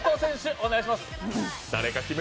お願いします。